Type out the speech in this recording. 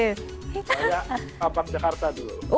saya abang jakarta dulu